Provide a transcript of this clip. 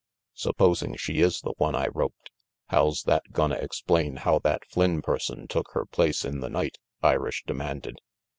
"Supposing she is the one I roped, how's that gonna explain how that Flynn person took her place in the night?" Irish demanded.